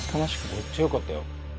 めっちゃ良かったよ。